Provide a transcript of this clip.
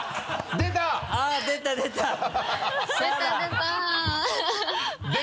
出た出た